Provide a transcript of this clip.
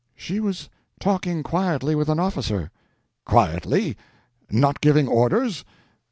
"She was talking quietly with an officer." "Quietly? Not giving orders?"